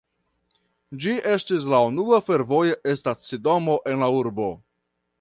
Ĝi estis la unua fervoja stacidomo en la urbo.